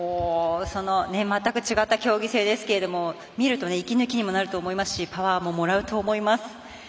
全く違った競技性ですけど見ると息抜きにもなると思いますしパワーももらうと思います。